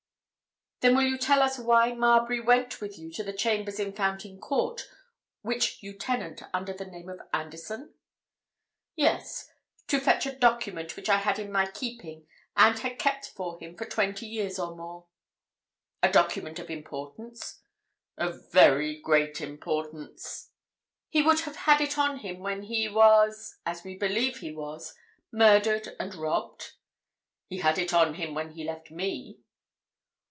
"Then will you tell us why Marbury went with you to the chambers in Fountain Court which you tenant under the name of Anderson?" "Yes. To fetch a document which I had in my keeping, and had kept for him for twenty years or more." "A document of importance?" "Of very great importance." "He would have it on him when he was—as we believe he was—murdered and robbed?" "He had it on him when he left me."